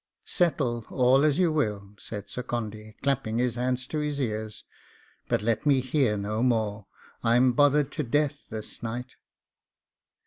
'Settle all as you will,' said Sir Condy, clapping his hands to his ears; 'but let me hear no more. I'm bothered to death this night.